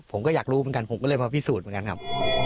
ผมก็อยากรู้เหมือนกันผมก็เลยมาพิสูจน์เหมือนกันครับ